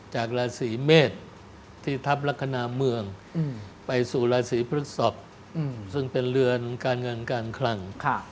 จากราศีเมษที่ทัพลักษณะเมืองไปสู่ราศีพฤศพซึ่งเป็นเรือนการเงินการคลัง